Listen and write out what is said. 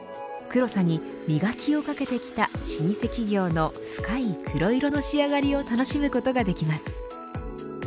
黒さに磨きをかけてきた老舗企業の深い黒色の仕上がりを楽しむことができます。